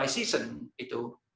season kering itu